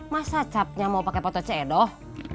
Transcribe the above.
masa capnya mau pakai poto c doh